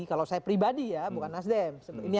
kalau saya pribadi ya bukan nasdem